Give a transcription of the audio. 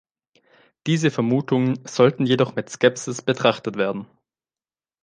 Diese Vermutungen sollten jedoch mit Skepsis betrachtet werden.